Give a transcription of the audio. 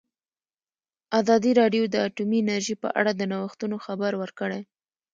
ازادي راډیو د اټومي انرژي په اړه د نوښتونو خبر ورکړی.